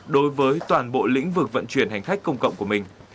đối với toàn bộ lĩnh vực vận chuyển hành khách công cộng của mình